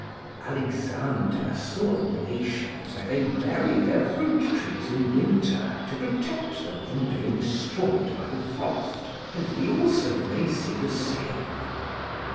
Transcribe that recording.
Alexander saw a nation, where they bury their fruit trees in winter to protect them from being destroyed by the frost, and we also may see the same.